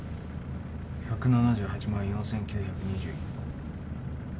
１７８万４，９２１個。